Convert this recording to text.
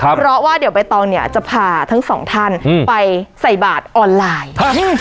เพราะว่าเดี๋ยวใบตองเนี่ยจะพาทั้งสองท่านไปใส่บาทออนไลน์